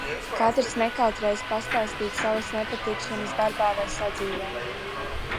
Katrs nekautrējās pastāstīt savas nepatikšanas darbā vai sadzīvē.